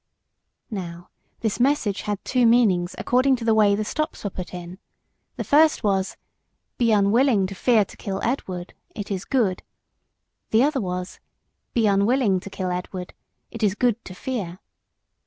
Now this message had two meanings according to the way the stops were put in. The first was "Be unwilling to fear to kill Edward it is good." The other was "Be unwilling to kill Edward it is good to fear."